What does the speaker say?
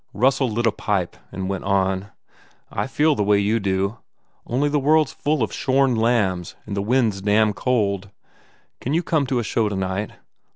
Russell lit a pipe and went on, "I feel the way you do. Only the world s full of shorn lambs and the wind s damned cold. ... Can you come to a show tonight?"